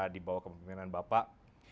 di bawah kepemimpinan bapak